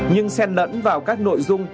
nhưng xen lẫn vào các nội dung